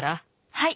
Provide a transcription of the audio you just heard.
はい。